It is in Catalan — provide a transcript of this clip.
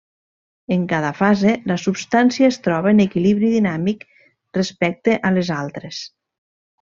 En cada fase, la substància es troba en equilibri dinàmic respecte a les altres.